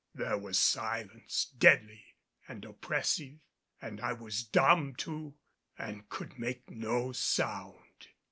There was silence, deadly and oppressive; and I was dumb too and could make no sound.